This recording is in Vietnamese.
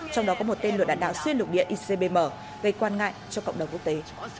trong đó có một tên lửa đạn đạo xuyên lục địa icbm gây quan ngại cho cộng đồng quốc tế